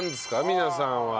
皆さんは。